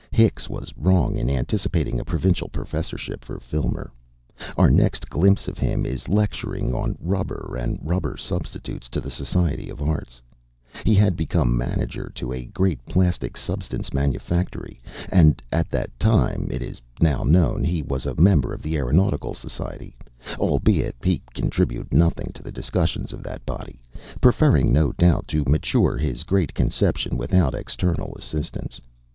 Hicks was wrong in anticipating a provincial professorship for Filmer. Our next glimpse of him is lecturing on "rubber and rubber substitutes," to the Society of Arts he had become manager to a great plastic substance manufactory and at that time, it is now known, he was a member of the Aeronautical Society, albeit he contributed nothing to the discussions of that body, preferring no doubt to mature his great conception without external assistance.